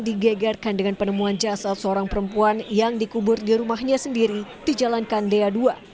digegarkan dengan penemuan jasad seorang perempuan yang dikubur di rumahnya sendiri dijalankan dea dua